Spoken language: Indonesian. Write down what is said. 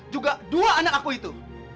juga dua anak aku itu